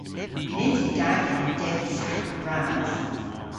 Nyns yw da genen degi saghow bras.